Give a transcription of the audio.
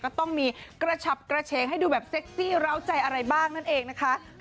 ก็ต้องมีกระฉับกระเฉงให้ดูแบบเซ็กซี่ร้าวใจอะไรบ้างนั่นเองนะคะ